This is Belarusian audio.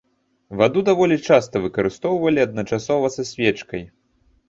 Ваду даволі часта выкарыстоўвалі адначасова са свечкай.